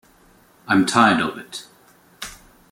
I'm tired of it.